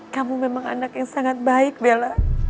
kamu memang anak yang sangat baik bella